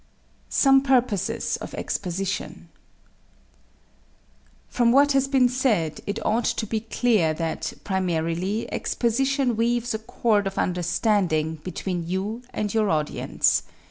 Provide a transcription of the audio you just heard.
Some Purposes of Exposition From what has been said it ought to be clear that, primarily, exposition weaves a cord of understanding between you and your audience.